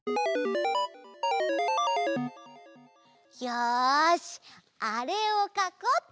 よしあれをかこうっと！